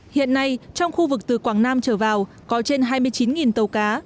hiện nay trong khu vực từ quảng nam trở vào có trên hai mươi chín tàu cá